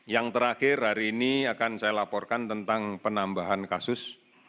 yang terakhir hari ini akan saya laporkan tentang penambahan kasus